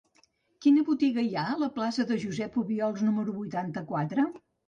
Quina botiga hi ha a la plaça de Josep Obiols número vuitanta-quatre?